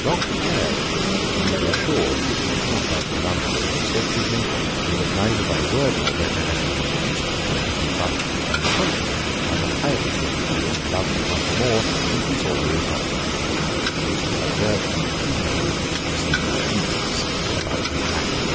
'Dr. Blair requests you may be assured that he did not write to London what you said to him, and that neither by word nor letter has he made the least complaint of you; but, on the contrary, has a high respect for you, and loves you much more since he saw you in Scotland. It would both divert and please you to see his eagerness about this matter.'